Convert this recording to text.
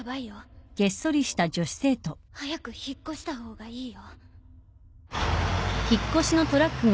早く引っ越した方がいいよ。